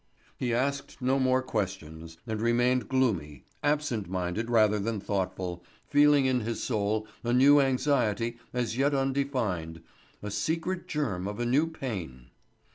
He asked no more questions and remained gloomy; absent minded rather than thoughtful, feeling in his soul a new anxiety as yet undefined, the secret germ of a new pain.